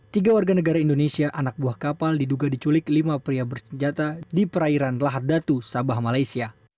tiga warga negara indonesia anak buah kapal diduga diculik lima pria bersenjata di perairan lahar datu sabah malaysia